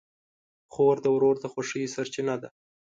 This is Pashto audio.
خور د ورور د خوښۍ سرچینه ده.